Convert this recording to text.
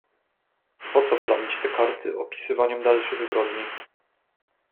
"Poco plamić te karty opisywaniem dalszych zbrodni?"